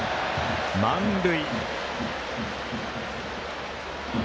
満塁。